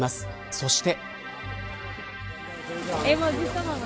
そして。